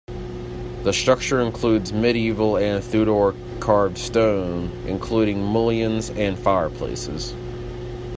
The structure includes medieval and Tudor carved stone, including mullions and fireplaces.